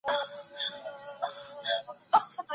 املا د زده کوونکو ترمنځ د مثبت بدلون لامل ګرځي.